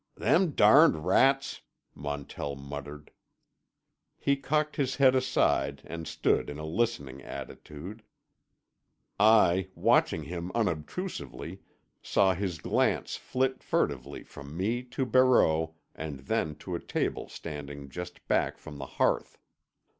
"Them darned rats," Montell muttered. He cocked his head aside and stood in a listening attitude, I, watching him unobtrusively, saw his glance flit furtively from me to Barreau and then to a table standing just back from the hearth.